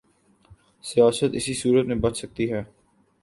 سیاست اسی صورت میں بچ سکتی ہے۔